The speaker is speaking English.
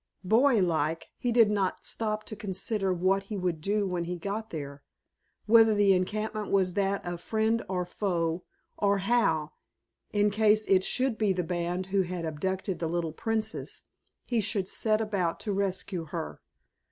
Boy like, he did not stop to consider what he would do when he got there. Whether the encampment was that of friend or foe, or how, in case it should be the band who had abducted the little Princess, he should set about to rescue her.